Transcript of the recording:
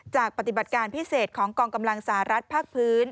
ปฏิบัติการพิเศษของกองกำลังสหรัฐภาคพื้น